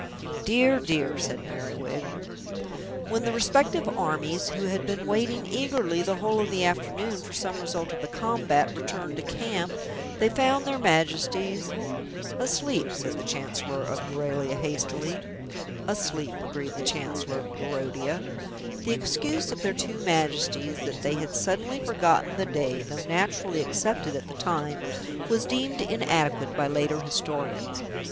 "Dear, dear," said Merriwig. [Illustration: When the respective armies returned to camp they found their Majesties asleep] "When the respective armies, who had been waiting eagerly the whole of the afternoon for some result of the combat, returned to camp, they found their Majesties " "Asleep," said the Chancellor of Euralia hastily. "Asleep," agreed the Chancellor of Barodia. "The excuse of their two Majesties that they had suddenly forgotten the day, though naturally accepted at the time, was deemed inadequate by later historians."